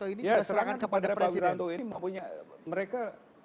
ya serangan kepada pak wiranto ini maksudnya mereka